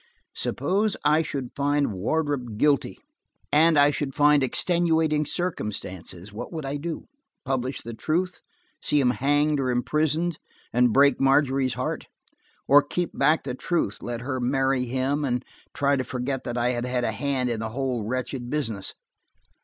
Suppose I should find Wardrop guilty, and I should find extenuating circumstances–what would I do? Publish the truth, see him hanged or imprisoned, and break Margery's heart? Or keep back the truth, let her marry him, and try to forget that I had had a hand in the whole wretched business?